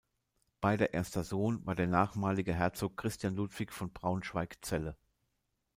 Beider erster Sohn war der nachmalige Herzog Christian Ludwig von Braunschweig-Celle.